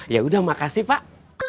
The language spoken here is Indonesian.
ya udah makasih pak